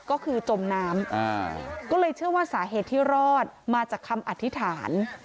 ก็คือจมน้ำก็เลยเชื่อว่าสาเหตุที่รอดมาจากคำอธิษฐาน